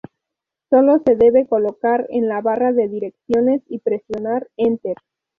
Sólo se debe colocar en la barra de direcciones, y presionar 'Enter'.